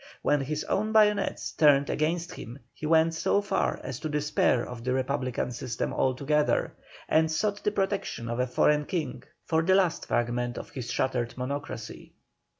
When his own bayonets turned against him he went so far as to despair of the Republican system altogether, and sought the protection of a foreign King for the last fragment of his shattered Monocracy.